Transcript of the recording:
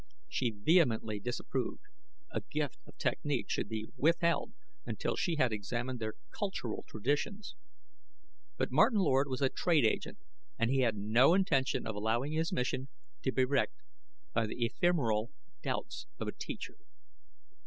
She vehemently disapproved; a gift of techniques should be withheld until she had examined their cultural traditions. But Martin Lord was a trade agent, and he had no intention of allowing his mission to be wrecked by the ephemeral doubts of a teacher.